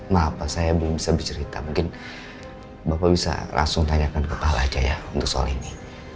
maaf pak saya belum bisa bercerita mungkin bapak bisa langsung tanyakan kepala aja ya untuk soal ini